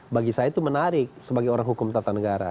bagi saya itu menarik sebagai orang hukum tata negara